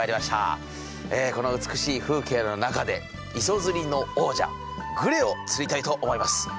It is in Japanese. この美しい風景の中で磯釣りの王者グレを釣りたいと思います。